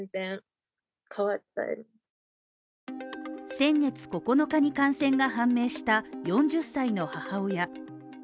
先月９日に感染が判明した４０歳の母親。